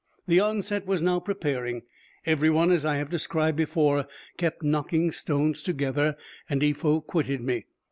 The onset was now preparing: every one, as I have described before, kept knocking stones together; and Eefow quitted me.